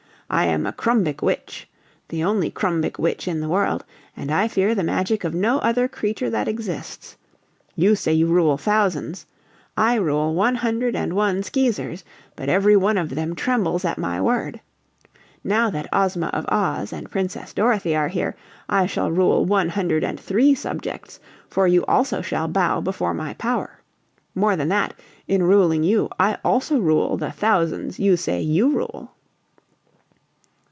I am a Krumbic Witch the only Krumbic Witch in the world and I fear the magic of no other creature that exists! You say you rule thousands. I rule one hundred and one Skeezers. But every one of them trembles at my word. Now that Ozma of Oz and Princess Dorothy are here, I shall rule one hundred and three subjects, for you also shall bow before my power. More than that, in ruling you I also rule the thousands you say you rule."